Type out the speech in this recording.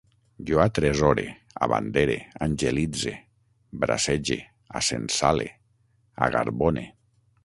Jo atresore, abandere, angelitze, bracege, acensale, agarbone